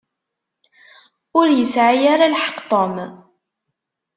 Ur yesɛi ara lḥeqq Tom.